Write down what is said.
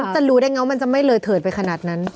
จะรู้ได้ไงว่ามันจะไม่เลยเถิดไปขนาดนั้น